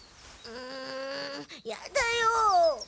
うんやだよ。